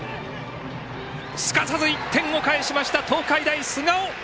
すかさず１点を返した東海大菅生！